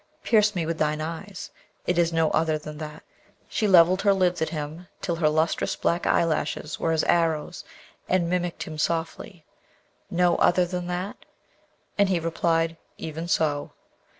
Pierce me with thine eyes; it is no other than that.' She levelled her lids at him till her lustrous black eyelashes were as arrows, and mimicked him softly, 'No other than that?' And he replied, 'Even so.'